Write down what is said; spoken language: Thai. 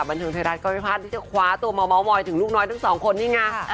บันเทิงไทยรัฐก็ไม่พลาดที่จะคว้าตัวมาเมาส์มอยถึงลูกน้อยทั้งสองคนนี่ไง